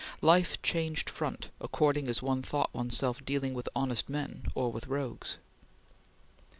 Life changed front, according as one thought one's self dealing with honest men or with rogues.